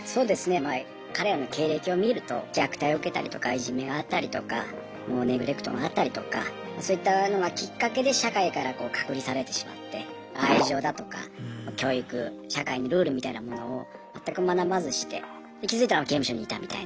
まあ彼らの経歴を見ると虐待を受けたりとかいじめがあったりとかもうネグレクトがあったりとかそういったのがきっかけで社会からこう隔離されてしまって愛情だとか教育社会のルールみたいなものを全く学ばずして気づいたら刑務所にいたみたいな。